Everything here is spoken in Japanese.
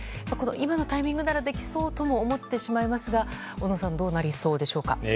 今のタイミングならできそうとも思ってしまいますが小野さんどうなりそうでしょうか。